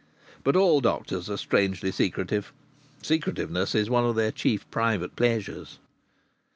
But all doctors are strangely secretive. Secretiveness is one of their chief private pleasures.